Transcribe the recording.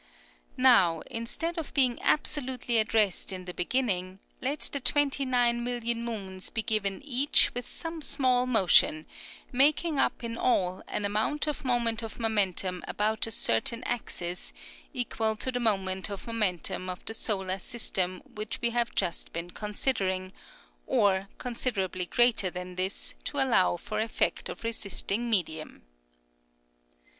'' Now instead of being absolutely at rest in the beginning, let the twenty nine million moons be given each with some small motion, making up in all an amount of moment of momentum about a certain axis, equal to the moment of momentum of the solar system which we have just been considering; or consider ably greater than this, to allow for effect of resisting medium.